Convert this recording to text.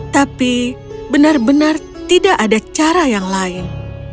tapi benar benar tidak ada cara yang lain